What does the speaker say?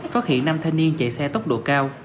phát hiện năm thanh niên chạy xe tốc độ cao